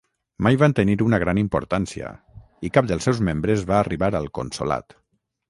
Mai van tenir una gran importància, i cap dels seus membres va arribar al consolat.